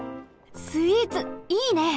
スイーツいいね！